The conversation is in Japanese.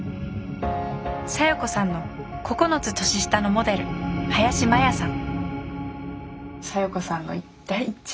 小夜子さんの９つ年下のモデル林マヤさん